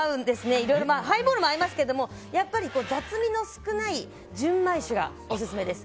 いろいろハイボールも合いますが雑味の少ない純米酒がオススメです。